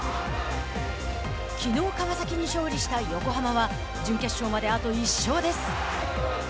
きのう川崎に勝利した横浜は準決勝まであと１勝です。